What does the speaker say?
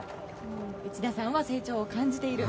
内田さんは成長を感じている。